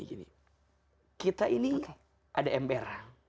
gini kita ini ada ember